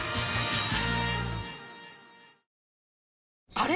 あれ？